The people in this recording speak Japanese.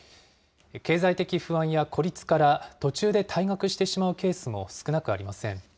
経済的不安や孤立から途中で退学してしまうケースも少なくありません。